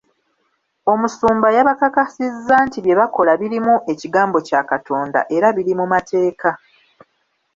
Omusumba yabakakasizza nti bye bakola birimu ekigambo kya Katonda era biri mu mateeka.